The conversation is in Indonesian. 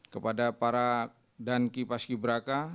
kepada para dan kipaski braka